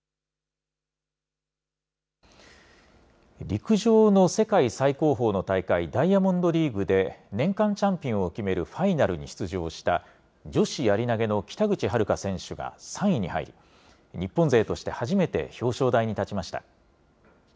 陸上の世界最高峰の大会、ダイヤモンドリーグで、年間チャンピオンを決めるファイナルに出場した、女子やり投げの北口榛花選手が３位に入り、日本勢として初めて表彰台に立ちました。